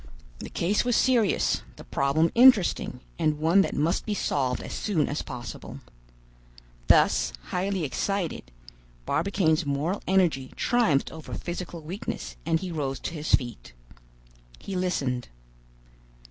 The case was serious, the problem interesting, and one that must be solved as soon as possible. Thus, highly excited, Barbicane's moral energy triumphed over physical weakness, and he rose to his feet. He listened.